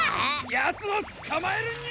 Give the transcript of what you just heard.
やつをつかまえるニャ！